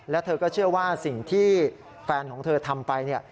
และเธอก็เชื่อว่าสิ่งที่แฟนของเธอทำไป